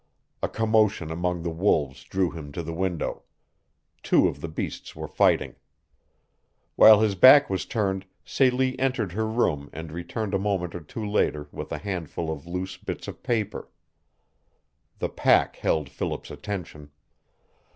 A commotion among the wolves drew him to the window. Two of the beasts were fighting. While his back was turned Celie entered her room and returned a moment or two later with a handful of loose bits of paper. The pack held Philip's attention.